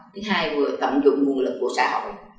thứ hai vừa tận dụng nguồn lực của xã hội